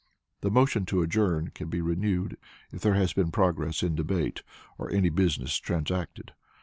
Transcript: The motion to Adjourn can be renewed if there has been progress in debate, or any business transacted.